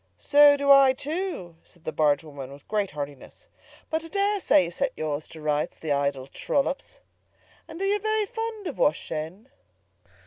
"So do I, too," said the barge woman with great heartiness. "But I dare say you set yours to rights, the idle trollops! And are you very fond of washing?"